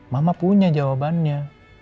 mama punya jawabannya